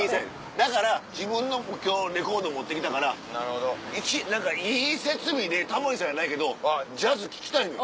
だから自分の今日レコード持ってきたからいい設備でタモリさんやないけどジャズ聴きたいのよ。